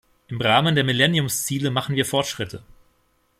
Im Rahmen der Millenniumsziele machen wir Fortschritte.